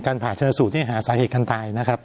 การผ่าชนสูตรเนี่ยหาสาเหตุการณ์ตายนะครับ